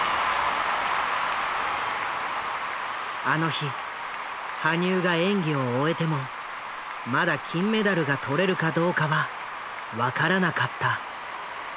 あの日羽生が演技を終えてもまだ金メダルが取れるかどうかは分からなかった。